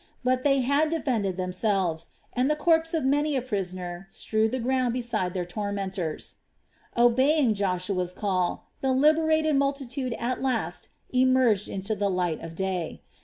But they had defended themselves and the corpse of many a prisoner strewed the ground beside their tormentors. Obeying Joshua's call, the liberated multitude at last emerged into the light of day.